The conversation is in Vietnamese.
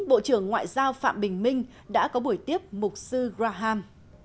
bộ trưởng ngoại giao phạm bình minh đã có buổi tiếp mục sư graham